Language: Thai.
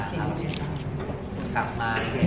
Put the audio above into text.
คือกลับมา